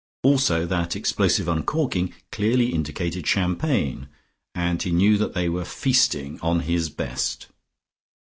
Also that explosive uncorking clearly indicated champagne, and he knew that they were feasting on his best.